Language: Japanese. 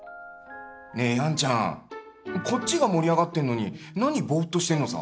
ねえヤンちゃんこっちが盛り上がってんのに何ボーッとしてんのさ！